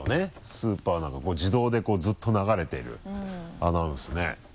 スーパーなんかで自動でずっと流れてるアナウンスねうん。